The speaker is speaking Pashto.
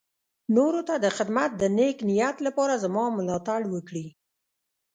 نورو ته د خدمت د نېک نيت لپاره زما ملاتړ وکړي.